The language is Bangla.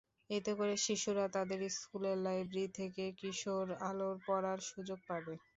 এতে করে শিশুরা তাদের স্কুলের লাইব্রেরি থেকে কিশোর আলো পড়ার সুযোগ পাবে।